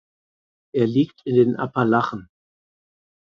Er liegt in den Appalachen.